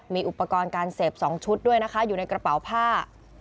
มีอุปกรณ์การเสพ๒ชุดด้วยนะคะอยู่ในกระเป๋าผ้า